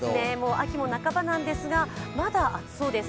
秋も半ばなんですが、まだ暑そうです。